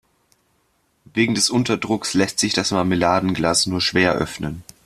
Wegen des Unterdrucks lässt sich das Marmeladenglas nur schwer öffnen.